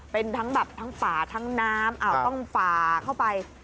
เป็นทั้งฝาทั้งน้ำต้องฝาเข้าไป